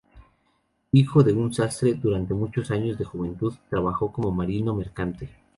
Hijo de un sastre, durante muchos años de juventud trabajó como marino mercante.